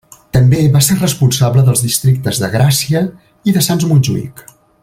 També va ser responsable dels districtes de Gràcia i de Sants-Montjuïc.